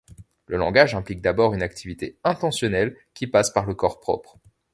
Le langage implique d'abord une activité intentionnelle, qui passe par le corps propre.